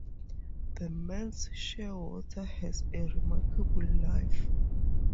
The Manx shearwater has a remarkable life.